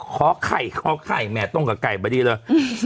ขอไข่ขอไข่แหม่ตรงกับไก่พอดีเลย